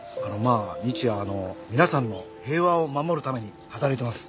日夜皆さんの平和を守るために働いてます。